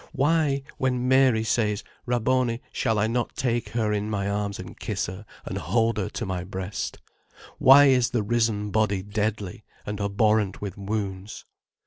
Why, when Mary says: Rabboni, shall I not take her in my arms and kiss her and hold her to my breast? Why is the risen body deadly, and abhorrent with wounds?